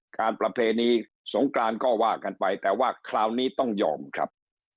ประเพณีสงกรานก็ว่ากันไปแต่ว่าคราวนี้ต้องยอมครับ